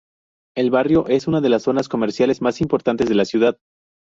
El barrio es una de las zonas comerciales más importantes de la ciudad.